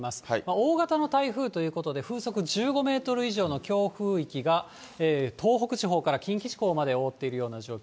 大型の台風ということで、風速１５メートル以上の強風域が東北地方から近畿地方まで覆っているような状況。